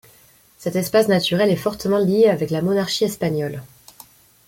Cet espace naturel est fortement lié avec la monarchie espagnole.